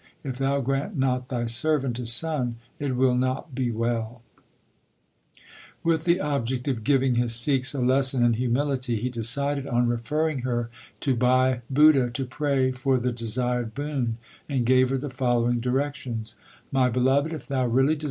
If thou grant not thy servant a son, it will not be well/ With the object of giving his Sikhs a lesson in humility he decided on referring her to Bhai Budha to pray for the desired boon, and gave her the following directions : My beloved, if thou really 1 Gauri.